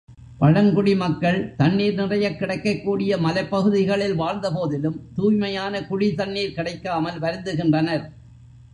பழங்குடி மக்கள் தண்ணீர் நிறையக் கிடைக்கக் கூடிய மலைப்பகுதிகளில் வாழ்ந்த போதிலும், தூய்மையான குடி தண்ணீர் கிடைக்காமல் வருந்துகின்றனர்.